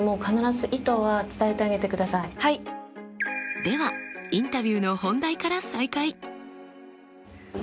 ではインタビューの本題から再開！